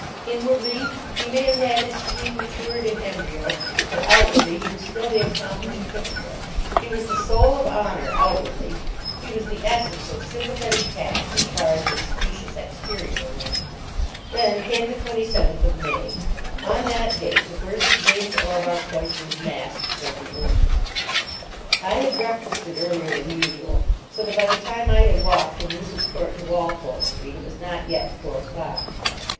Inwardly he may have had his scheme matured in embryo, but outwardly he was still the accomplished hypocrite. He was the soul of honour—outwardly. He was the essence of sympathetic tact as far as his specious exterior went. Then came the 27th of May. On that date the first of James Orlebar Cloyster's masks was removed. I had breakfasted earlier than usual, so that by the time I had walked from Rupert Court to Walpole Street it was not yet four o'clock.